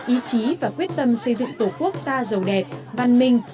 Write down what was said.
ý chí và quyết tâm xây dựng tổ quốc ta giàu đẹp văn minh